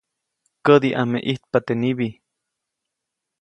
Kädi ʼame ʼijtapa teʼ nibi.